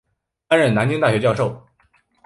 担任南京大学教授。